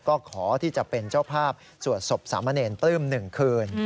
ก็ขอที่จะเป็นเจ้าภาพสวดศพสามเณรปลื้ม๑คืน